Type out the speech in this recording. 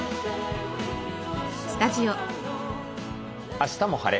「あしたも晴れ！